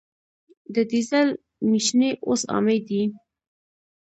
د ډیزل میچنې اوس عامې دي.